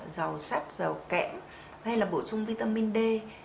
dầu sắc dầu kẽm hay là bổ sung vitamin d